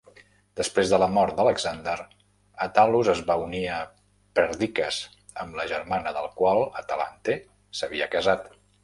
Després de la mort d'Alexander, Attalus es va unir a Perdiccas, amb la germana del qual, Atalante, s'havia casat.